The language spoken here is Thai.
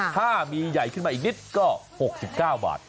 ถ้ามีใหญ่ขึ้นมาอีกนิดก็๖๙บาท